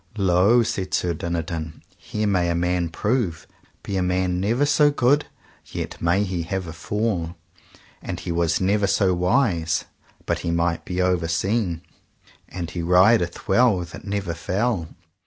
Lo, said Sir Dinadan, here may a man prove, be a man never so good yet may he have a fall, and he was never so wise but he might be overseen, and he rideth well that never fell.